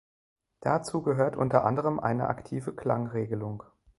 Dazu gehört unter anderem eine aktive Klangregelung.